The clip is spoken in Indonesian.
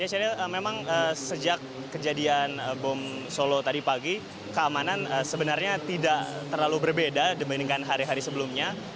sheryl memang sejak kejadian bom solo tadi pagi keamanan sebenarnya tidak terlalu berbeda dibandingkan hari hari sebelumnya